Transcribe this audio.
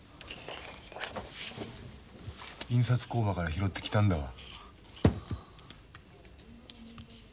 印刷工場から拾ってきたんだわ。